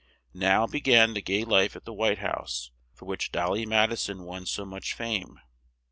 Now, be gan the gay life at the White House, for which "Dol ly" Mad i son won so much fame.